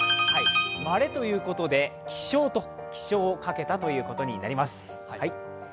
まれということで、希少と起床をかけたことになりなす。